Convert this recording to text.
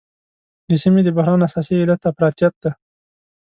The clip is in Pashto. د سیمې د بحران اساسي علت افراطیت دی.